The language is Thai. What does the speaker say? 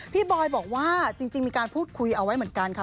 บอยบอกว่าจริงมีการพูดคุยเอาไว้เหมือนกันค่ะ